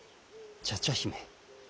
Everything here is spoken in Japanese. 茶々姫。